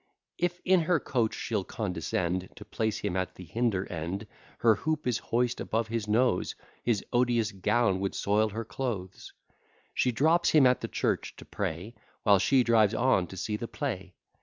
If in her coach she'll condescend To place him at the hinder end, Her hoop is hoist above his nose, His odious gown would soil her clothes. She drops him at the church, to pray, While she drives on to see the play.